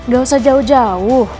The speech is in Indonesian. gak usah jauh jauh